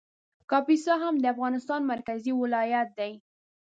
کاپیسا هم د افغانستان مرکزي ولایت دی